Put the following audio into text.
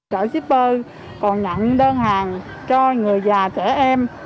chợ shipper còn nhận đơn hàng cho người già trẻ em